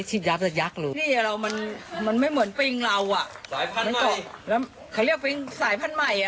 ใครเรียกปริงสายพันธุ์ใหม่